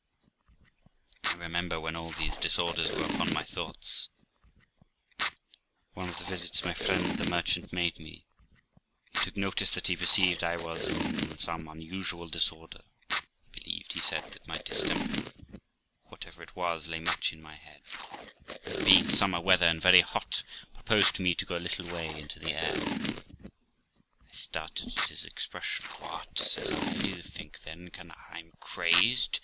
I remember, when all these disorders were upon my thoughts, in one of the visits my friend the merchant made me, he took notice that he perceived I was under some unusual disorder; he believed, he said, that my distemper, whatever it was, lay much in my head, and it being summer weather, and very hot, proposed to me to go a little way into the air. I started at his expression. 'What!' says I; 'do you think, then, that I am crazed?